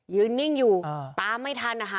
ยืนนิ่งอยู่ตามไม่ทันอ่ะฮะ